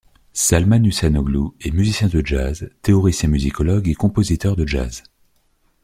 Salman Husseyn oghlu est musicien de jazz, théoricien-musicologue et compositeur de jazz.